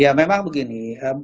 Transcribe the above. ya memang begini